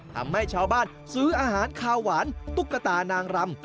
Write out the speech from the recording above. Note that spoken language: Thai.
ทำให้ชาวบ้านซื้ออาหารคาวหวานตุ๊กตานางรำ